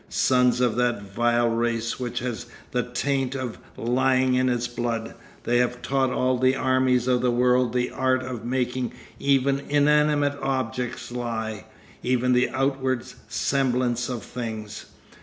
Sons of that vile race which has the taint of lying in its blood, they have taught all the armies of the world the art of making even inanimate objects lie, even the outward semblance of things.